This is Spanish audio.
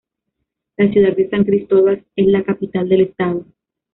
La ciudad de San Cristóbal es la capital del Estado.